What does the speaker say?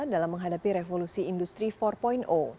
dalam menghadapi revolusi industri empat